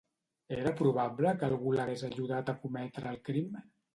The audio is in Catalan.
Era probable que algú l'hagués ajudat a cometre el crim?